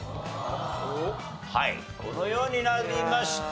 はいこのようになりました。